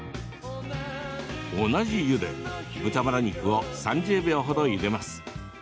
同じ湯で豚バラ肉を３０秒程ゆでます。